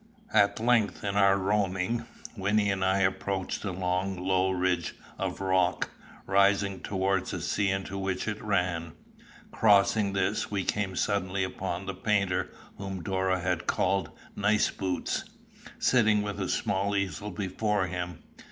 At length in our roaming, Wynnie and I approached a long low ridge of rock, rising towards the sea into which it ran. Crossing this, we came suddenly upon the painter whom Dora had called Niceboots, sitting with a small easel before him.